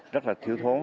rất là thiếu thốn